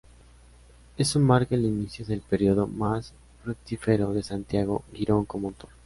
Eso marca el inicio del periodo más fructífero de Santiago Girón como autor.